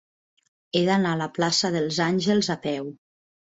He d'anar a la plaça dels Àngels a peu.